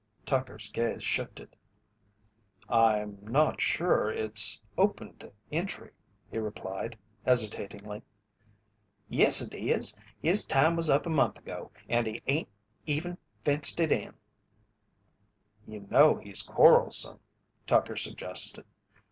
Tucker's gaze shifted. "I'm not sure it's open to entry," he replied, hesitatingly. "Yes, it is. His time was up a month ago, and he ain't even fenced it." "You know he's quarrelsome," Tucker suggested.